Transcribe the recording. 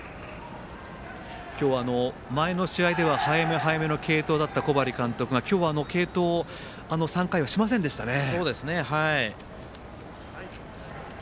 今日は前の試合では早め早めの継投だった小針監督が今日は継投を３回はしませんでしたね。